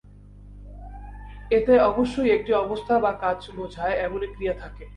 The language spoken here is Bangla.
এতে অবশ্যই একটি অবস্থা বা কাজ বোঝায় এমন ক্রিয়া থাকে।